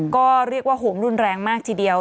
ก็เรียกว่าโหมรุนแรงมากทีเดียว